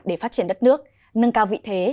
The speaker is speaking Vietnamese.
để phát triển đất nước nâng cao vị thế